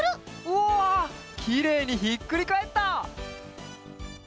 わあきれいにひっくりかえった！